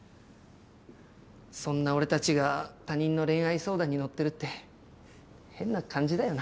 そんな俺たちが他人の恋愛相談に乗ってるって変な感じだよな。